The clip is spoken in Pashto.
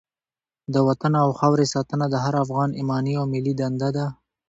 د وطن او خاورې ساتنه د هر افغان ایماني او ملي دنده ده.